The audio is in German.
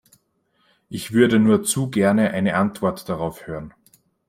Ich würde nur zu gerne eine Antwort darauf hören.